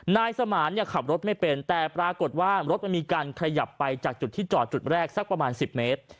นายสมานเนี่ยขับรถไม่เป็นแต่ปรากฏว่ารถมันมีการขยับไปจากจุดที่จอดจุดแรกสักประมาณ๑๐เมตร